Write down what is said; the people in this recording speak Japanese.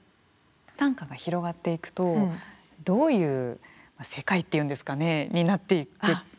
短歌が広がっていくとどういう世界っていうんですかねになっていくって思いますか。